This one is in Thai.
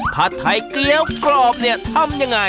ผัดไทยเกี้ยวกรอบเนี่ยทำยังไง